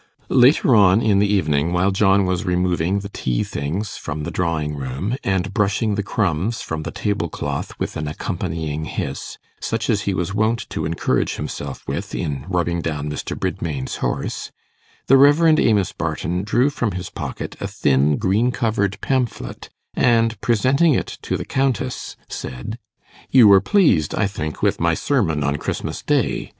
Later on in the evening, while John was removing the tea things from the drawing room, and brushing the crumbs from the table cloth with an accompanying hiss, such as he was wont to encourage himself with in rubbing down Mr. Bridmain's horse, the Rev. Amos Barton drew from his pocket a thin green covered pamphlet, and, presenting it to the Countess, said, 'You were pleased, I think, with my sermon on Christmas Day.